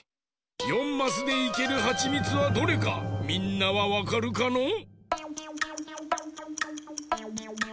４マスでいけるはちみつはどれかみんなはわかるかのう？